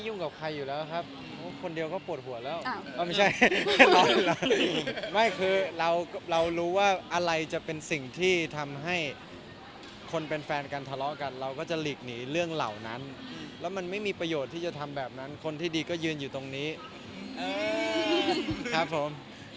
อยู่แล้วครับเพราะคนเดียวก็ปวดหัวแล้วก็ไม่ใช่ไม่คือเราเรารู้ว่าอะไรจะเป็นสิ่งที่ทำให้คนเป็นแฟนกันทะเลาะกันเราก็จะหลีกหนีเรื่องเหล่านั้นแล้วมันไม่มีประโยชน์ที่จะทำแบบนั้นคนที่ดีก็ยืนอยู่ตรงนี้ครับผม